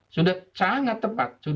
sudah sangat tepat